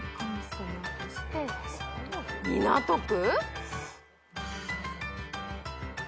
港区？